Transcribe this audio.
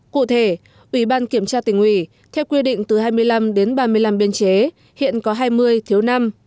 cụ thể ủy ban kiểm tra tỉnh ủy theo quy định từ hai mươi năm đến ba mươi năm biên chế hiện có hai mươi thiếu năm